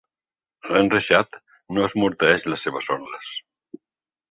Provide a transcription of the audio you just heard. L'enreixat no esmorteeix les seves ordres.